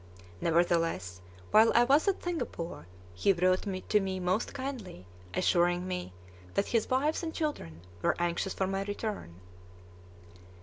Nevertheless, while I was at Singapore he wrote to me most kindly, assuring me that his wives and children were anxious for my return.